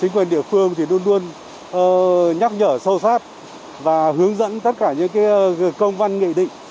chính quyền địa phương luôn luôn nhắc nhở sâu sát và hướng dẫn tất cả công văn nghị định